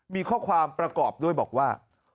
มีข้อความประกอบด้วยบอกว่า